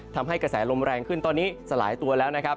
ทำให้กระแสลมแรงขึ้นตอนนี้สลายตัวแล้วนะครับ